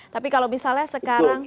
tapi kalau misalnya sekarang